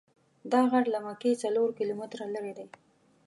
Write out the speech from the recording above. دا غر له مکې څلور کیلومتره لرې دی.